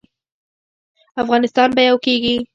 افغانستان به یو کیږي؟